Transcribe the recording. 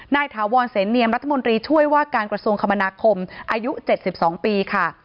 ถาวรเสนเนียมรัฐมนตรีช่วยว่าการกระทรวงคมนาคมอายุ๗๒ปีค่ะ